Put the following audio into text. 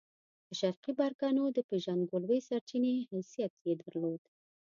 د شرقي پرګنو د پېژندګلوۍ سرچینې حیثیت یې درلود.